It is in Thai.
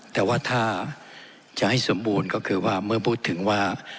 แต่ว่าถ้าจะให้สมบูรณ์ก็คือว่าเมื่อพูดถึงว่า